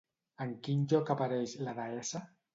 En quin lloc apareix la deessa?